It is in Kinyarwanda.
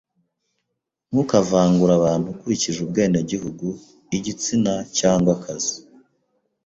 Ntukavangura abantu ukurikije ubwenegihugu, igitsina, cyangwa akazi.